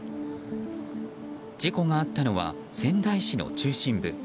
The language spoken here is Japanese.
事故があったのは仙台市の中心部。